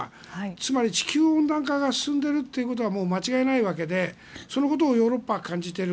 つまり地球温暖化が進んでいることは間違いないわけで、そのことをヨーロッパは感じている。